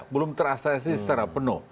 belum terakses secara penuh